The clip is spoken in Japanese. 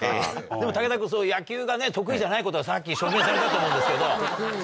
でも武田君野球がね得意じゃないことはさっき証明されたと思うんですけど。